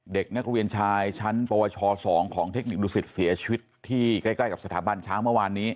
เด็กนักเรียนชายชั้นปวช๒ของเทคนิคดุสิตเสียชีวิตที่ใกล้กับสถาบันช้างเมื่อวานนี้